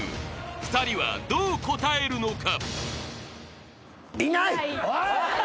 ［２人はどう応えるのか？］